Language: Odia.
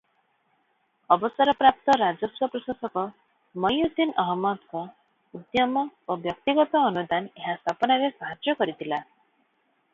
ଅବସରପ୍ରାପ୍ତ ରାଜସ୍ୱ ପ୍ରଶାସକ ମଇଉଦ୍ଦିନ ଅହମଦଙ୍କ ଉଦ୍ୟମ ଓ ବ୍ୟକ୍ତିଗତ ଅନୁଦାନ ଏହା ସ୍ଥାପନାରେ ସାହାଯ୍ୟ କରିଥିଲା ।